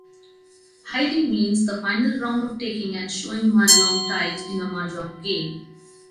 Haidi means the final round of taking and showing mahjong tiles in a mahjong game.